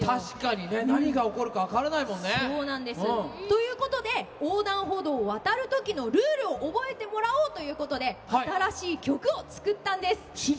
確かにね。何が起こるか分からないもんね。ということで横断歩道をわたるときのルールを覚えてもらおうということで新しい曲を作ったんです。